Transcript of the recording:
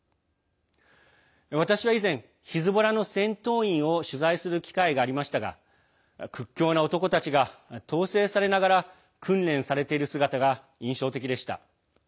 私は以前、ヒズボラの戦闘員を取材する機会がありましたが屈強な男たちが統制されながら訓練されている姿が印象的でした。